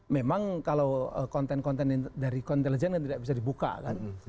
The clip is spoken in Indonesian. memang kalau konten konten dari intelijen kan tidak bisa dibuka kan